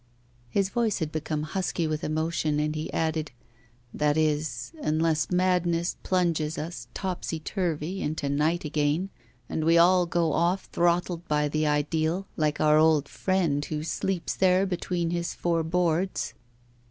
His voice had become husky with emotion, and he added: 'That is, unless madness plunges us, topsy turvy, into night again, and we all go off throttled by the ideal, like our old friend who sleeps there between his four boards.